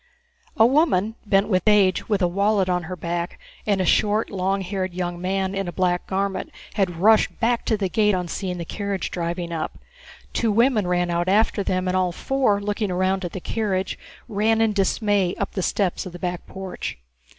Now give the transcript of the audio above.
A woman, bent with age, with a wallet on her back, and a short, long haired, young man in a black garment had rushed back to the gate on seeing the carriage driving up. Two women ran out after them, and all four, looking round at the carriage, ran in dismay up the steps of the back porch.